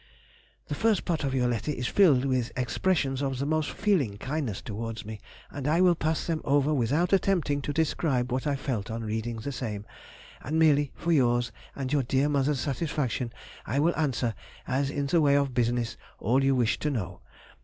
The first part of your letter is filled with expressions of the most feeling kindness towards me, and I will pass them over without attempting to describe what I felt on reading the same, and merely for yours and your dear mother's satisfaction I will answer as in the way of business all you wished to know.